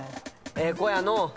ええ子やのう。